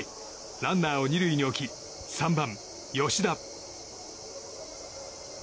ランナーを２塁に置き３番、吉田。